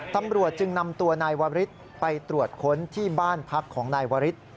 ตำรวจจึงนำตัวนายวริสไปตรวจค้นที่บ้านพักของนายวริส